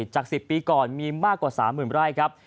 จาก๑๐ปีก่อนมีมากกว่า๓๐๐๐ไร่ครับ